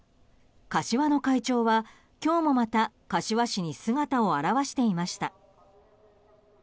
柏の怪鳥は今日もまた柏市に姿を現していました。